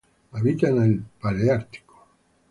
Habita en el Paleártico.